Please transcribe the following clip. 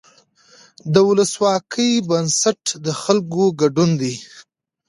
د ولسواکۍ بنسټ د خلکو ګډون دی